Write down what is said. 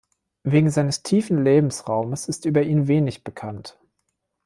Wegen seines tiefen Lebensraums ist über ihn wenig bekannt.